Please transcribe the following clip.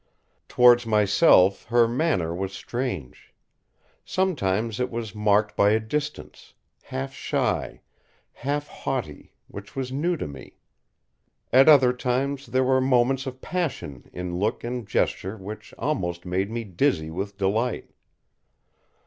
Towards myself her manner was strange. Sometimes it was marked by a distance, half shy, half haughty, which was new to me. At other times there were moments of passion in look and gesture which almost made me dizzy with delight.